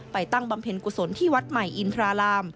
ตั้งบำเพ็ญกุศลที่วัดใหม่อินทราราม